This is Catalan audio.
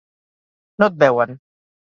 No et veuen.